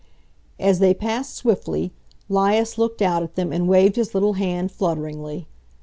As they passed swiftly, 'Lias looked out at them and waved his little hand flutteringly.